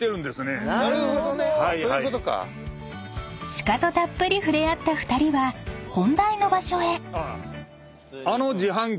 ［鹿とたっぷり触れ合った２人は本題の場所へ］